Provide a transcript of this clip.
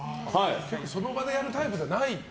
その場でやるタイプじゃないんだ。